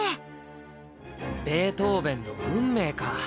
ベートーヴェンの「運命」か。